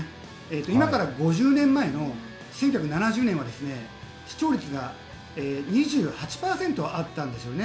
今から５０年前の１９７０年は視聴率が２８％あったんですね。